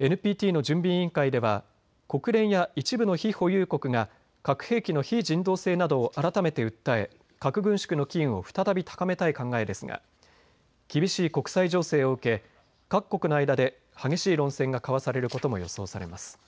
ＮＰＴの準備委員会では国連や一部の非保有国が核兵器の非人道性などを改めて訴え核軍縮の機運を再び高めたい考えですが厳しい国際情勢を受け各国の間で激しい論戦が交わされることも予想されます。